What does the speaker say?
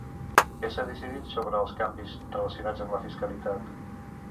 Què s'ha decidit sobre els canvis relacionats amb la fiscalitat?